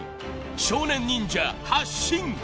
少年忍者発進！